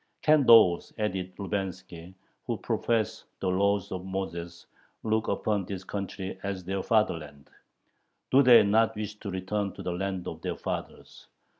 "Can those" added Lubenski "who profess the laws of Moses look upon this country as their fatherland? Do they not wish to return to the land of their fathers?...